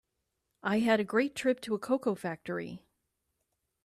I had a great trip to a cocoa factory.